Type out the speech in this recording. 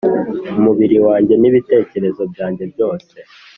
umubiri wanjye, n’ibitekerezo byanjye byose